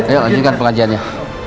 ayo lanjutkan pengajiannya